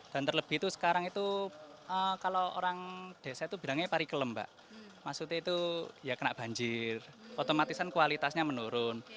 dan terlebih itu sekarang itu kalau orang desa itu bilangnya pari kelembak maksudnya itu ya kena banjir otomatisan kualitasnya menurun